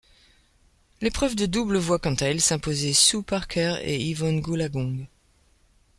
L'épreuve de double voit quant à elle s'imposer Sue Barker et Evonne Goolagong.